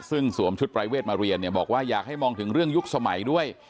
ซึ่งสวมชุดปรายเวทมาเรียนเนี่ยบอกว่าอยากให้มองถึงเรื่องยุคสมัยด้วย